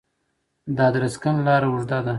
د ادرسکن لاره اوږده ده